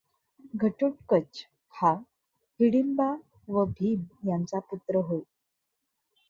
घटोत्कच हा हिडींबा व भीम यांचा पुत्र होय.